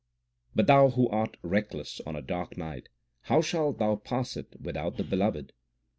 But thou who art reckless on a dark night, 3 how shalt thou pass it without the Beloved